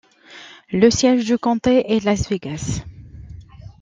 Le siège du comté est Las Vegas.